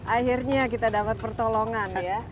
akhirnya kita dapat pertolongan ya